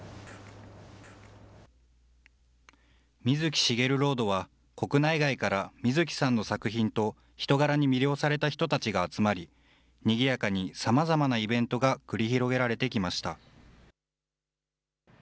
水木しげるロードは、国内外から水木さんの作品と、人柄に魅了された人たちが集まり、にぎやかにさまざまなイベントが繰り広げられてきました。